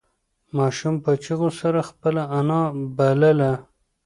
ماشوم په چیغو سره خپله انا بلله.